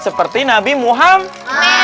seperti nabi muhammad